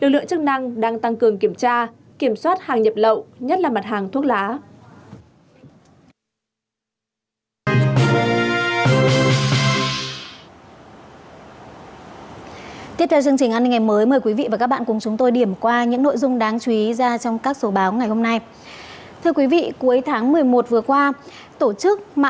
lực lượng chức năng đang tăng cường kiểm tra